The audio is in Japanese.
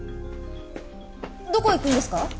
どこ行くんですか？